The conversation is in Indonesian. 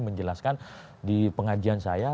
menjelaskan di pengajian saya